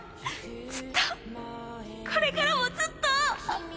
ずっとこれからもずっと！